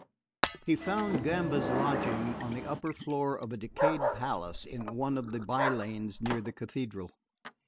He found Gamba's lodging on the upper floor of a decayed palace in one of the by lanes near the Cathedral.